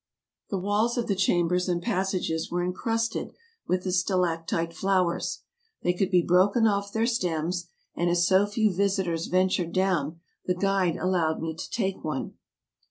The walls of the chambers and passages were incrusted with the stalactite flowers. They could be broken off their stems, and as so few visitors ventured down, the guide allowed me to take one.